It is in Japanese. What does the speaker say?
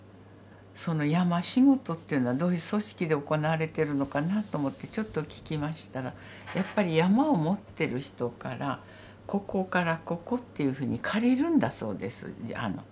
その山仕事っていうのはどういう組織で行われてるのかなと思ってちょっとききましたらやっぱり山を持ってる人から「ここからここ」っていうふうに借りるんだそうです。